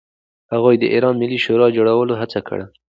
هغه د ایران ملي شورا جوړولو هڅه کړې.